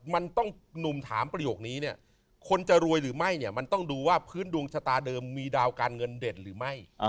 มันต้องหนุ่มถามประโยคนี้เนี่ยคนจะรวยหรือไม่เนี่ยมันต้องดูว่าพื้นดวงชะตาเดิมมีดาวการเงินเด่นหรือไม่